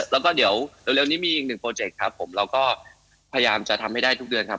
แล้วก็เดี๋ยวเร็วนี้มีอีกหนึ่งโปรเจคครับผมเราก็พยายามจะทำให้ได้ทุกเดือนครับ